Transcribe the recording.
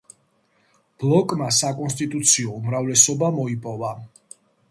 ბლოკმა საკონსტიტუციო უმრავლესობა მოიპოვა.